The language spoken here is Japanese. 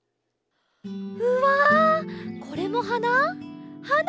うわこれもはな？